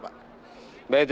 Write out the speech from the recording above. baik terima kasih pak